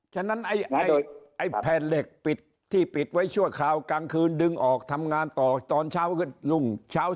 ฉะนั้นไอ้แผ่นเหล็กปิดที่ปิดไว้ชั่วคราวกลางคืนดึงออกทำงานต่อตอนเช้าขึ้นรุ่งเช้า